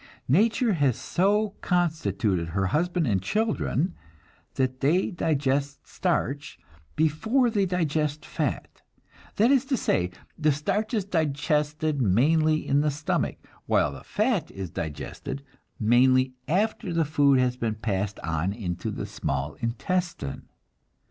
Nature has so constituted her husband and children that they digest starch before they digest fat; that is to say, the starch is digested mainly in the stomach, while the fat is digested mainly after the food has been passed on into the small intestine.